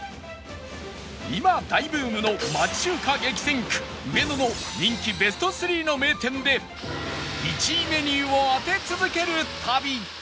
今大ブームの町中華激戦区上野の人気ベスト３の名店で１位メニューを当て続ける旅